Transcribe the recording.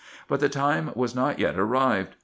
But the time was not yet arrived.